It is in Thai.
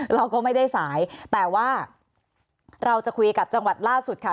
เราก็ไม่ได้สายแต่ว่าเราจะคุยกับจังหวัดล่าสุดค่ะ